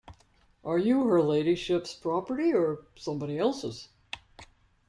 Are you her ladyship's property, or somebody else's?